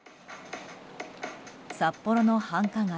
札幌の繁華街